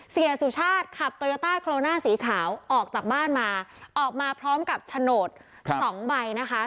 เสียสุชาติขับโตโยต้าโคโรนาสีขาวออกจากบ้านมาออกมาพร้อมกับโฉนดสองใบนะคะ